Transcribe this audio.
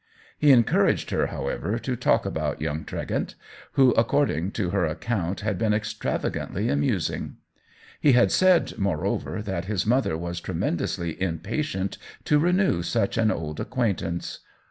He encouraged her, however, to talk about young Tregent, who, according to her ac count, had been extravagantly amusing. He had said, moreover, that his mother was tremendously impatient to renew such an old acquaintance.